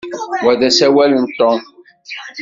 Wa d asawal n Tom.